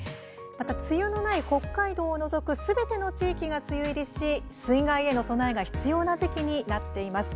また梅雨のない北海道を除くすべての地域が梅雨入りし水害への備えが必要な時期になっています。